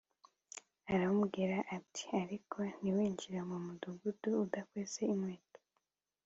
Aramubwira ati ariko ntiwinjire mu mudugudu udakwese inkweto